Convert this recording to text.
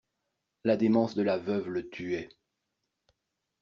La démence de la veuve la tuait.